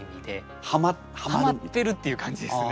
はまってるっていう感じですね。